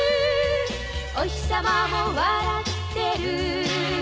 「おひさまも笑ってる」